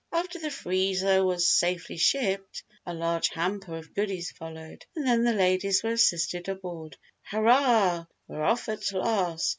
After the freezer was safely shipped, a large hamper of goodies followed, and then the ladies were assisted aboard. "Hurrah! We're off at last!"